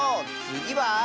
つぎは。